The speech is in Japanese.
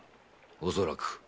恐らく。